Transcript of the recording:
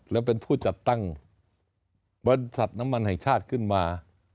และเป็นผู้จัดตั้งบริษัทน้ำมันแห่งชาติขึ้นมา